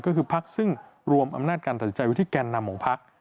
ก็คือพักซึ่งรวมอำนาจการตัดสินใจไว้ที่แกนนำของพัก